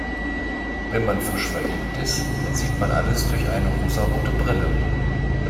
Wenn man frisch verliebt ist, sieht man alles durch eine rosarote Brille.